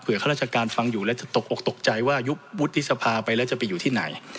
ข้าราชการฟังอยู่แล้วจะตกออกตกใจว่ายุบวุฒิสภาไปแล้วจะไปอยู่ที่ไหน